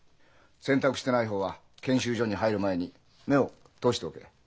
選択してない方は研修所に入る前に目を通しておけ。